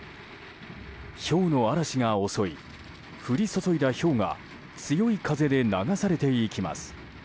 ひょうの嵐が襲い降り注いだひょうが強い風で流されていきます。